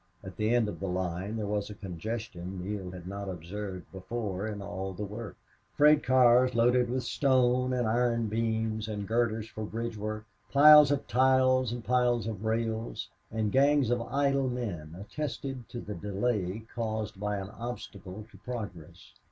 At the end of the line there was a congestion Neale had not observed before in all the work. Freight cars, loaded with stone and iron beams and girders for bridge work, piles of ties and piles of rails, and gangs of idle men attested to the delay caused by an obstacle to progress.